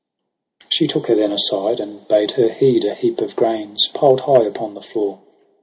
She took her then aside, and bade her heed ' A heap of grains piled high upon the floor.